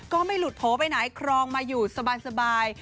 ก็ไม่หลุดโผล่ไปไหนครองมาอยู่สบาย